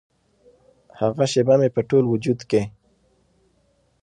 هغه شیبه مې په ټول وجود کې